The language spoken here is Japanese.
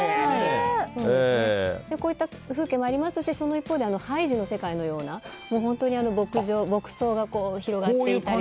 こういった風景もありますしその一方でハイジの世界のような本当に牧草が広がっていたり。